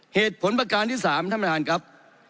เหตุผลประการที่๓ท่านประธานครับ